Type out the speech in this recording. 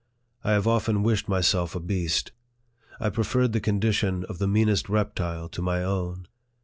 I have often wished myself a beast. I preferred the condition of the meanest reptile to my own.